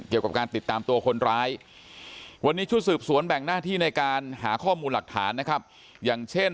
เกี่ยวกับการติดตามตัวคนร้าย